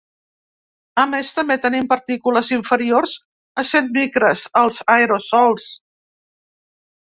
A més, també tenim partícules inferiors a cent micres: els aerosols.